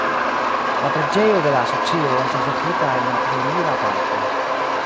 La Preĝejo de la Asocio estas lokita en la Pionira Parko.